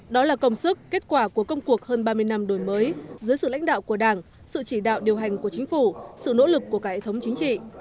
đó là công sức kết quả của công cuộc hơn ba mươi năm đổi mới dưới sự lãnh đạo của đảng sự chỉ đạo điều hành của chính phủ sự nỗ lực của cả hệ thống chính trị